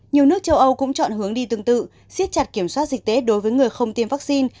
nhiều nước châu âu cũng chọn hướng đi tương tự xiết chặt kiểm soát dịch tễ đối với người không tiêm vaccine